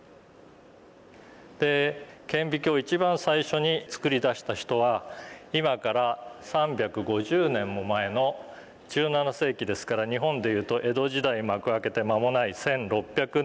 で顕微鏡一番最初に作り出した人は今から３５０年も前の１７世紀ですから日本で言うと江戸時代幕開けて間もない１６００年代の事です。